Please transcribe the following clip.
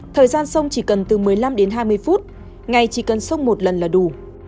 thời gian sông chỉ cần từ một mươi năm đến hai mươi phút ngày chỉ cần sông một lần là đủ